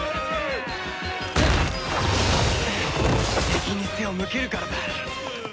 敵に背を向けるからだ。